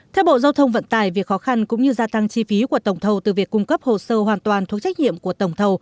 theo bộ giao thông vận tải việc khó khăn cũng như gia tăng chi phí của tổng thầu từ việc cung cấp hồ sơ hoàn toàn thuộc trách nhiệm của tổng thầu